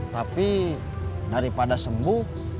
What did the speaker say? tapi daripada sembuh